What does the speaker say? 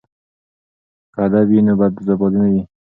که ادب وي نو بدزباني نه وي.